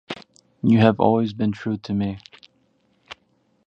You have always been true to me.